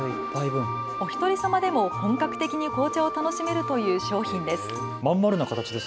おひとりさまでも本格的に紅茶を楽しめるという商品です。